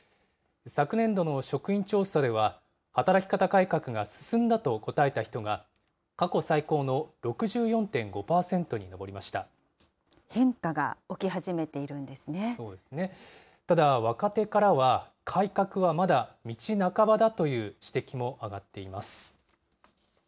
昨年度の職員調査では、働き方改革が進んだと答えた人が、過去最変化が起き始めているんですただ、若手からは改革はまだ道半ばだという指摘も上がっています。